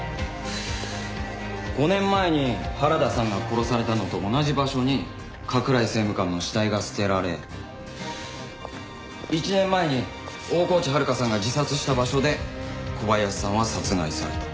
５年前に原田さんが殺されたのと同じ場所に加倉井政務官の死体が捨てられ１年前に大河内遥さんが自殺した場所で小林さんは殺害された。